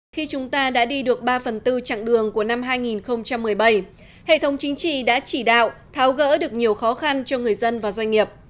khi chúng ta đã đi được ba phần tư chặng đường của năm hai nghìn một mươi bảy hệ thống chính trị đã chỉ đạo tháo gỡ được nhiều khó khăn cho người dân và doanh nghiệp